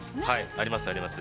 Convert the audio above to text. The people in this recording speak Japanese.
◆あります、あります。